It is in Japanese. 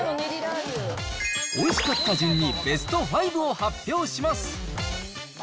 おいしかった順にベスト５を発表します。